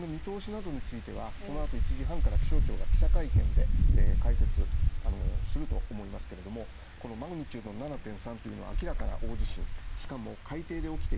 それから今後の地震の見通しなどについては、この後１時半から気象庁が記者会見で解説すると思いますけれどもこのマグニチュード７．３というのは明らかな大地震